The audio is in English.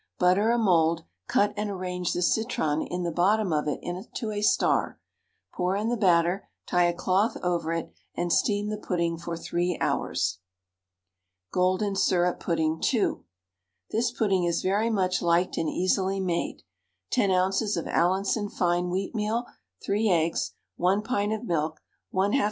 Butter a mould, cut and arrange the citron in the bottom of it into a star, pour in the batter, tie a cloth over it, and steam the pudding for 3 hours. GOLDEN SYRUP PUDDING (2). This pudding is very much liked and easily made. 10 oz. of Allinson fine wheatmeal, 3 eggs, 1 pint of milk, 1/2 lb.